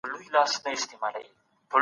ځنډ زیان اړوي.